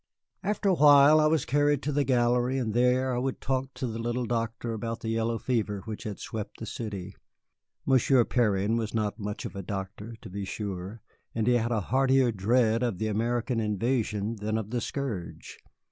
After a while I was carried to the gallery, and there I would talk to the little doctor about the yellow fever which had swept the city. Monsieur Perrin was not much of a doctor, to be sure, and he had a heartier dread of the American invasion than of the scourge.